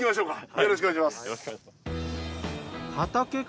よろしくお願いします。